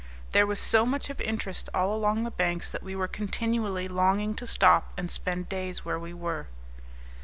There was so much of interest all along the banks that we were continually longing to stop and spend days where we were.